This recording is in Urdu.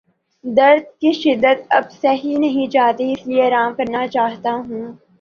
درد کی شدت اب سہی نہیں جاتی اس لیے آرام کرنا چاہتا ہوں